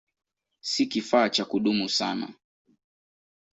Si kifaa cha kudumu sana.